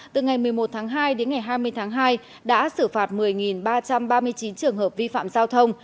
từ ngày một mươi một tháng hai đến ngày hai mươi tháng hai đã xử phạt một mươi ba trăm ba mươi chín trường hợp vi phạm giao thông